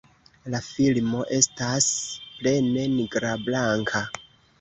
La filmo estas plene nigrablanka.